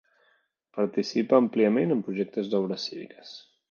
Participa àmpliament en projectes d'obres cíviques.